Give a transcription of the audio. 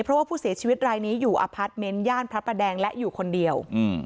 เพราะว่าผู้เสียชีวิตรายนี้อยู่อพาร์ทเมนต์ย่านพระประแดงและอยู่คนเดียว